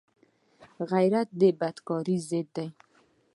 غیرت د بدکارۍ ضد دی